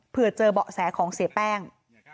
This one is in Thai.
เพื่อเจอเบาะแสของเสียแป้ง